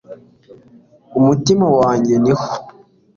umutima wanjye niho